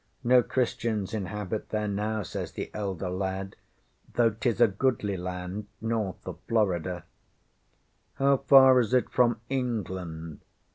No Christians inhabit there now, says the elder lad, though ŌĆśtis a goodly land north of Florida.ŌĆØ ŌĆśŌĆ£How far is it from England?